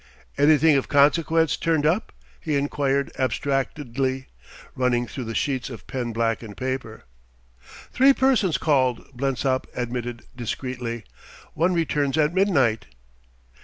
"Anything of consequence turned up?" he enquired abstractedly, running through the sheets of pen blackened paper. "Three persons called," Blensop admitted discreetly. "One returns at midnight."